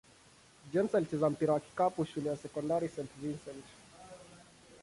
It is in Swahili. James alicheza mpira wa kikapu shule ya sekondari St. Vincent-St.